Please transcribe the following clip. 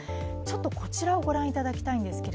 こちらをご覧いただきます